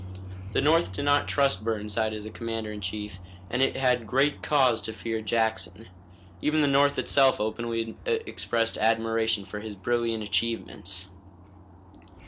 The North did not trust Burnside as a commander in chief, and it had great cause to fear Jackson. Even the North itself openly expressed admiration for his brilliant achievements.